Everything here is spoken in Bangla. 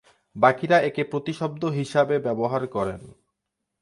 বাকিরা একে প্রতিশব্দ হিসাবে ব্যবহার করেন।